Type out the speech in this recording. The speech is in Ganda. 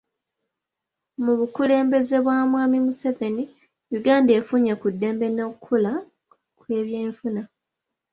Mu bukulembeze bwa Mwami Museveni, Uganda efunye ku dembe n'okula kw'ebyenfuna